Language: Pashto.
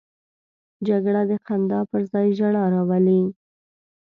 جګړه د خندا پر ځای ژړا راولي